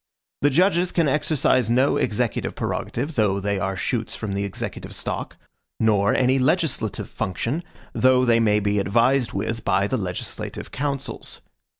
The judges can exercise no executive prerogative, though they are shoots from the executive stock; nor any legislative function, though they may be advised with by the legislative councils.